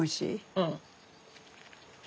うん。